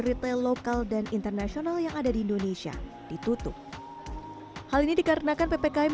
retail lokal dan internasional yang ada di indonesia ditutup hal ini dikarenakan ppkm